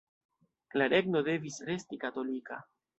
La „regno“ devis resti katolika.